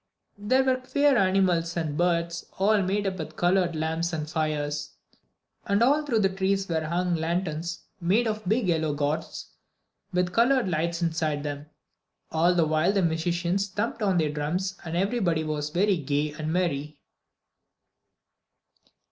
There were queer animals and birds, all made up with coloured lamps and fires; and all through the trees were hung lanterns, made of big yellow gourds with coloured lights inside them. All the while the musicians thumped on their drums, and everybody was very gay and merry.